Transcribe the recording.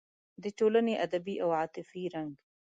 د ټولنې ادبي او عاطفي رنګ